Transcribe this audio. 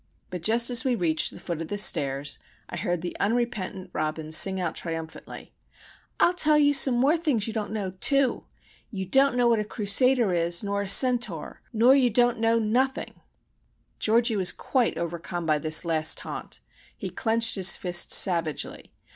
But just as we reached the foot of the stairs we heard the unrepentant Robin sing out triumphantly,— "I'll tell you some more things you don't know, too. You don't know what a Crusader is, nor a Centaur, nor you don't know nothing!" Georgie was quite overcome by this last taunt. He clenched his fist savagely.